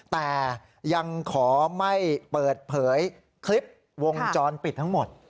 แต่ยังขอไม่เปิดเผยคลิปวงจรปิดทั้งหมด